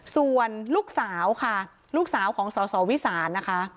ส่วนลูกสาวค่ะลูกสาวของสสวิสานนะคะ